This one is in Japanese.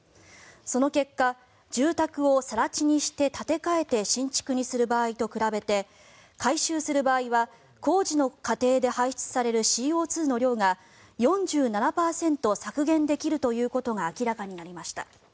その結果、住宅を更地にして建て替えて新築にする場合と比べて改修する場合は、工事の過程で排出されるＣＯ２の量が４７％削減できるということが明らかになりました。